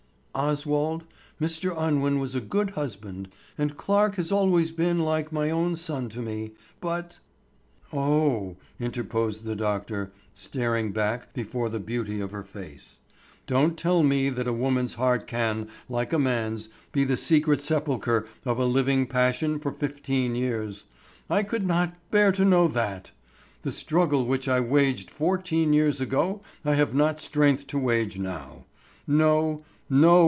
"Oswald, Mr. Unwin was a good husband and Clarke has always been like an own son to me, but——" "Oh," interposed the doctor, starting back before the beauty of her face, "don't tell me that a woman's heart can, like a man's, be the secret sepulchre of a living passion for fifteen years. I could not bear to know that! The struggle which I waged fourteen years ago I have not strength to wage now. No! no!